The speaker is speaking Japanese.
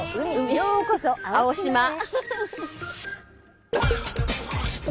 ようこそ青島へ。